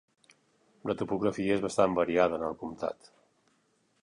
La topografia és bastant variada en el comtat.